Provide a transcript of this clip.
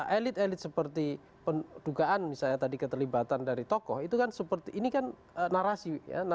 elit elit seperti dugaan misalnya tadi keterlibatan dari tokoh itu kan seperti ini kan narasi